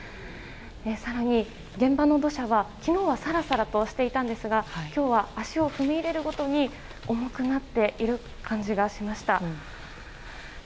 更に現場の土砂は、昨日はサラサラとしていたんですが今日は足を踏み入れるごとに重くなっている感じがしました。